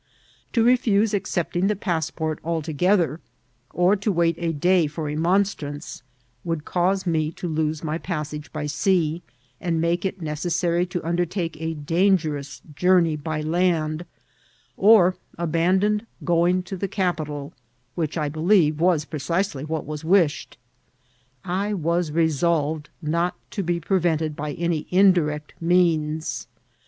To refuse accepting the pass port altogether, or to wait a day for remonstrance, would cause me to lose my passage by sea, and make it ne cessary to undertake a dangerous journey by land, or abandon going to the capitol ; which, I believe, was precisely what was wished. I was resolved not to be prevented by any indirect means.